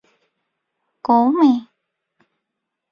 Gowumy